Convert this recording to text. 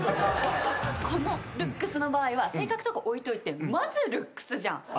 このルックスの場合は性格とか置いといてまずルックスじゃん。